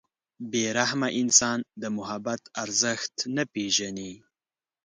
• بې رحمه انسان د محبت ارزښت نه پېژني.